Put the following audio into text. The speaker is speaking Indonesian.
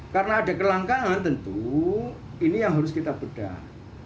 karena ada kelangkaan tentu ini yang harus kita bedah